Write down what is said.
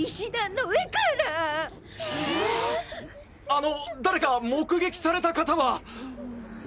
あの誰か目撃された方は？